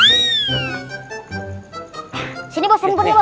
iya pegang dulu nih pegang dulu